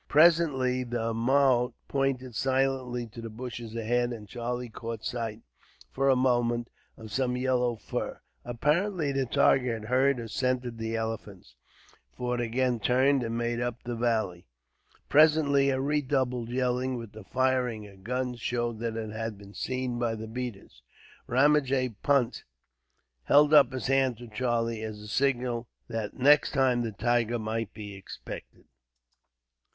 Presently, the mahout pointed silently to the bushes ahead, and Charlie caught sight, for a moment, of some yellow fur. Apparently the tiger had heard or scented the elephants, for it again turned and made up the valley. Presently a redoubled yelling, with the firing of guns, showed that it had been seen by the beaters. Ramajee Punt held up his hand to Charlie, as a signal that next time the tiger might be expected.